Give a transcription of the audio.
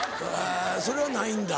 それはないんだ。